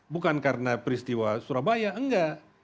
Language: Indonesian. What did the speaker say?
bukan karena peristiwa surabaya enggak